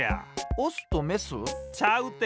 オスとメス？ちゃうって。